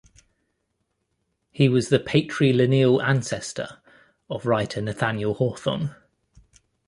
He was the patrilineal ancestor of writer Nathaniel Hawthorne.